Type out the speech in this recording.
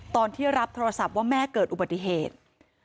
ตอนที่รับโทรศัพท์ว่าแม่เกิดอุบัติเหตุ